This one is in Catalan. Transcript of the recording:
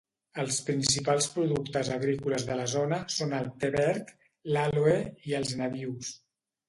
Els principals productes agrícoles de la zona són el te verd, l'àloe i els nabius.